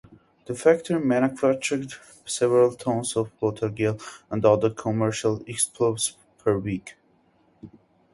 The factory manufactured several tonnes of water gel and other commercial explosives per week.